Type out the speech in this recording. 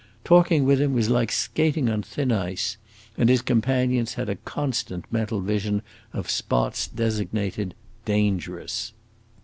Talking with him was like skating on thin ice, and his companions had a constant mental vision of spots designated "dangerous."